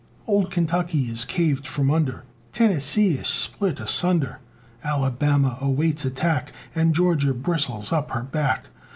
Old Kentucky is caved from under, Tennessee is split asunder, Alabama awaits attack, And Georgia bristles up her back.